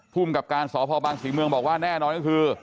ภูมิกับการสพบางศรีเมืองบอกว่าแน่นอนก็คือ